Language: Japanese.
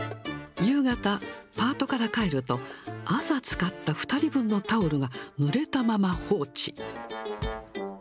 夕方、パートから帰ると、朝使った２人分のタオルがぬれたまま放置。